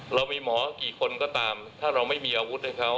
เรามีหมอกี่คนก็ตามถ้าเราไม่มีอาวุธให้เขา